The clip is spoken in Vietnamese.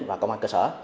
và công an cơ sở